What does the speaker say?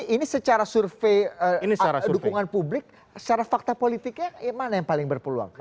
ini secara survei dukungan publik secara fakta politiknya mana yang paling berpeluang